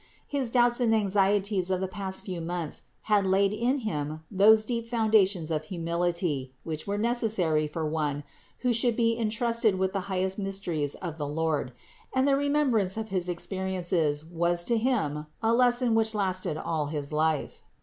His doubts and anxieties of the past few months had laid in him those deep founda tions of humility, which were necessary for one who should be entrusted with the highest mysteries of the Lord; and the remembrance of his experiences was to him a lesson which lasted all his life.